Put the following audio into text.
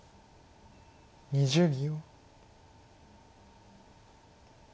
２０秒。